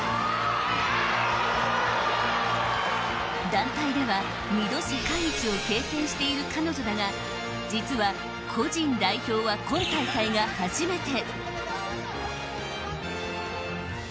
団体では２度世界一を経験している彼女だが実は、個人代表は今大会が初めて。